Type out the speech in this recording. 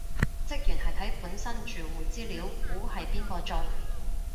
職員係睇本身住戶資料估係邊個中